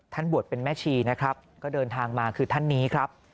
ท่านบวชเป็นแม่ชีก็เดินทางมาคือท่านนี้ครับ